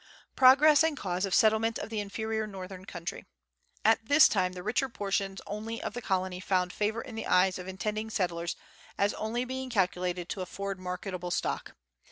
Progress and Cause of Settlement of the Inferior Northern Country. At this time the richer portions only of the colony found favour in the eyes of intending settlers as only being calcu lated to afford marketable stock.